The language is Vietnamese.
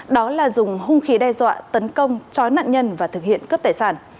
đó là dùng hung khí đe dọa tấn công chói nạn nhân và thực hiện cướp tài sản